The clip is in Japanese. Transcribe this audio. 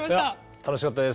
楽しかったです。